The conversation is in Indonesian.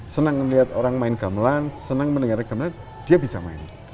senang melihat orang main gamelan senang mendengar gamelan dia bisa main